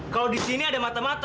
kalau di sini ada mata mata